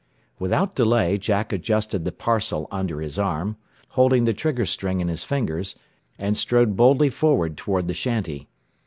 Without delay Jack adjusted the parcel under his arm, holding the trigger string in his fingers, and strode boldly forward toward the shanty.